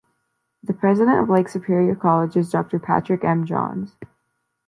The president of Lake Superior College is Doctor Patrick M. Johns.